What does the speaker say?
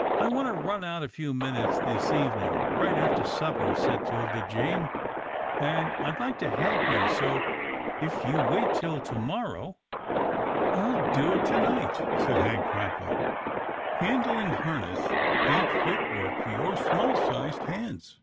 " I want to run out a few minutes this eve ning, right after supper," said 'Tilda Jane, " and I'd like to help you, so if you wait till to mor row —" 40 'TILDA JANE'S ORPHANS " I'll do it to night," said Hank promptly, " handling harness ain't fit work for your small sized hands.